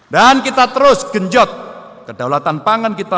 dan kita terus genjot kedaulatan pangan kita